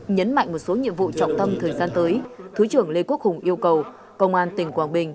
nhấn mạnh một số nhiệm vụ trọng tâm thời gian tới thứ trưởng lê quốc hùng yêu cầu công an tỉnh quảng bình